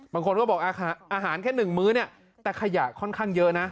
บางคนก็บอกอาหารแค่๑มื้อเนี่ยแต่ขยะค่อนข้างเยอะนะ